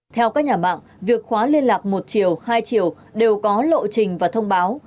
theo các nhà mạng việc khóa liên lạc một chiều hai chiều đều có lộ trình và thông báo